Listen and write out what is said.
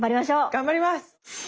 頑張ります！